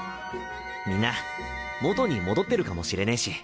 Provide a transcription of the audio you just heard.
みんな元に戻ってるかもしれねえし。